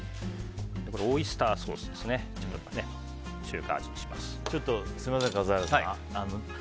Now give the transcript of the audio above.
オイスターソースですみません、笠原さん。